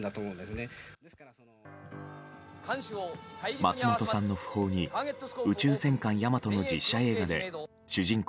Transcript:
松本さんの訃報に「宇宙戦艦ヤマト」の実写映画で主人公